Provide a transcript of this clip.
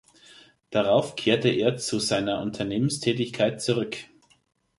Darauf kehrte er zu seiner Unternehmenstätigkeit zurück.